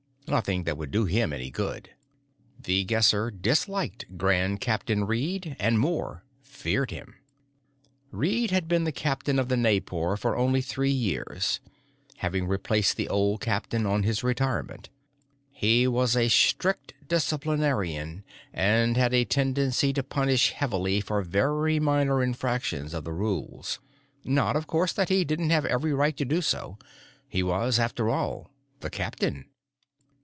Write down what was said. Nothing that would do him any good. The Guesser disliked Grand Captain Reed and more, feared him. Reed had been captain of the Naipor for only three years, having replaced the old captain on his retirement. He was a strict disciplinarian, and had a tendency to punish heavily for very minor infractions of the rules. Not, of course, that he didn't have every right to do so; he was, after all, the captain.